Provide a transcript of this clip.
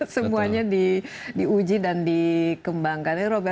semuanya diuji dan dikembangkan